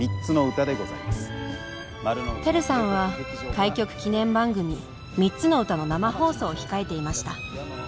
輝さんは開局記念番組「三つの歌」の生放送を控えていました。